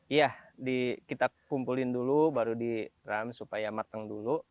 iya kita kumpulin dulu baru diream supaya matang dulu